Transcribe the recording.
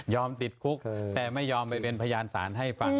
ติดคุกแต่ไม่ยอมไปเป็นพยานศาลให้ฟัง